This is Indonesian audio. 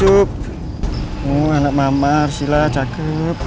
anak mama arsila cakep